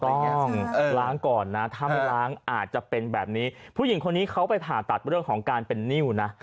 ต้องล้างก่อนนะถ้าไม่ล้างอาจจะเป็นแบบนี้ผู้หญิงคนนี้เขาไปผ่าตัดเรื่องของการเป็นนิ้วนะ